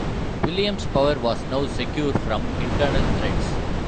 William's power was now secure from internal threats.